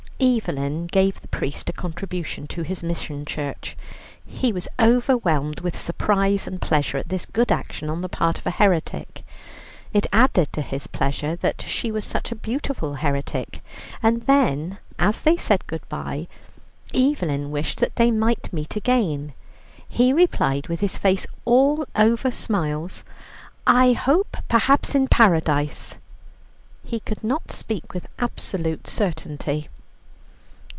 Evelyn gave the priest a contribution to his mission church. He was overwhelmed with surprise and pleasure at this good action on the part of a heretic, it added to his pleasure that she was such a beautiful heretic, and when, as they said good bye, Evelyn wished that they might meet again, he replied, with his face all over smiles, "I hope perhaps in Paradise"; he could not speak with absolute certainty.